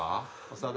長田！